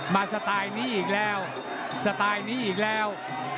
มาสไตล์นี้อีกแล้ว